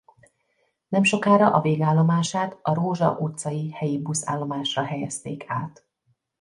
Nemsokára a végállomását a Rózsa utcai helyi buszállomásra helyezték át.